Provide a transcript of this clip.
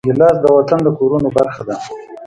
ګیلاس د وطن د کورونو برخه ده.